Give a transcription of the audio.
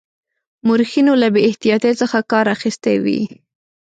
مورخینو له بې احتیاطی څخه کار اخیستی وي.